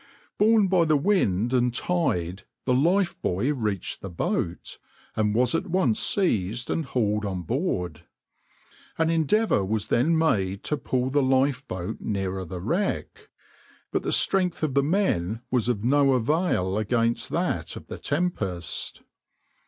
\par Borne by the wind and tide the lifebuoy reached the boat, and was at once seized and hauled on board. An endeavour was then made to pull the lifeboat nearer the wreck, but the strength of the men was of no avail against that of the tempest.